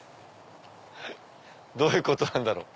どういうことなんだろう。